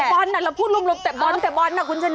ถ้าเตะบอลน่ะเราพูดลุบเตะบอลน่ะคุณชนะ